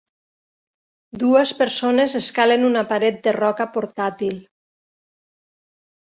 Dues persones escalen una paret de roca portàtil